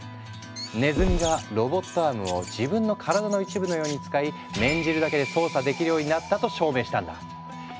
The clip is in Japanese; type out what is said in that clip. ねずみがロボットアームを自分の体の一部のように使い念じるだけで操作できるようになったと証明したんだ。